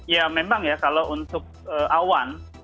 ya memang ya kalau untuk awan